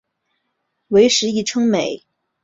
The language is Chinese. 为时议称美。